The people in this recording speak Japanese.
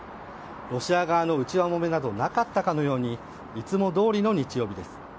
ロシア側の内輪もめなどなかったかのようにいつもどおりの日曜日です。